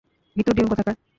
ভীতুর ডিম কোথাকার।